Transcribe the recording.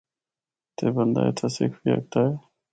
تے بندہ اِتھا سکھ بھی ہکدا اے۔